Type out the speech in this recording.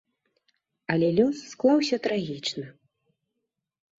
Але лёс склаўся трагічна.